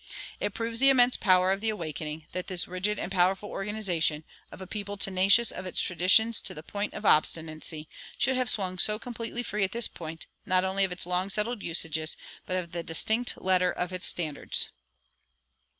It proves the immense power of the Awakening, that this rigid and powerful organization, of a people tenacious of its traditions to the point of obstinacy, should have swung so completely free at this point, not only of its long settled usages, but of the distinct letter of its standards.